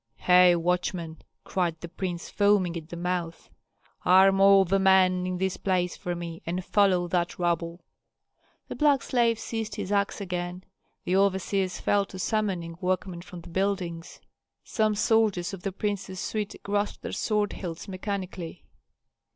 "Hei, watchman!" cried the prince, foaming at the mouth, "arm all the men in this place for me and follow that rabble!" The black slave seized his axe again, the overseers fell to summoning workmen from the buildings, some soldiers of the prince's suite grasped their sword hilts mechanically.